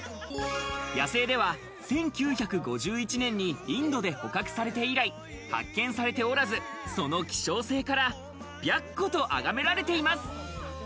野生では１９５１年にインドで捕獲されて以来、発見されておらず、その希少性から白虎と崇められています。